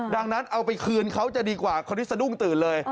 ดังนั้นเอาไปคืนเขาจะดีกว่าคนที่สะดุ้งตื่นเลย